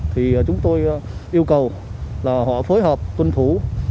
thì chúng tôi yêu cầu là họ phối hợp tuân thủ